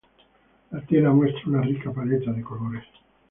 La tela muestra una rica paleta de colores.